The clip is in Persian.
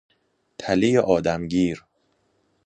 تله آدمگیر